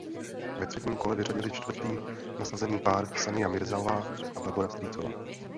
Ve třetím kole vyřadily čtvrtý nasazený pár Sania Mirzaová a Barbora Strýcová.